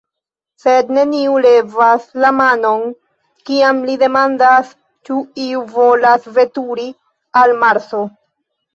Sed neniu levas la manon, kiam li demandas, ĉu iu volas veturi al Marso.